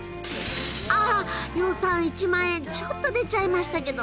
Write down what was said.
あ予算１万円ちょっと出ちゃいましたけど。